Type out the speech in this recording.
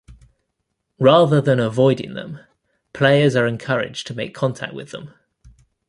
Rather than avoiding them, players are encouraged to make contact with them.